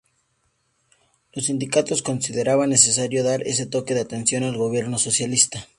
Los sindicatos consideraban necesario dar ese toque de atención al gobierno socialista.